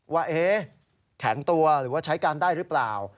ว่าแข็งตัวหรือว่าใช้การได้หรือเปล่า